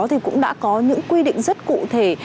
thì cũng đã có những quy định rất cụ thể